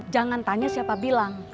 jangan tanya siapa bilang